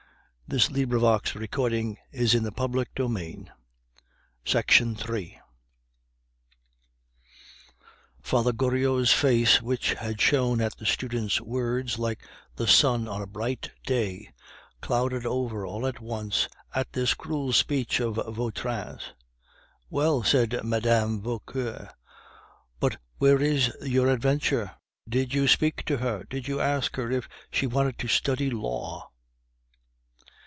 They will turn the world upside down. Just a Parisienne through and through!" Father Goriot's face, which had shone at the student's words like the sun on a bright day, clouded over all at once at this cruel speech of Vautrin's. "Well," said Mme. Vauquer, "but where is your adventure? Did you speak to her? Did you ask her if she wanted to study law?"